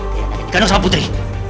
dikandung sama putri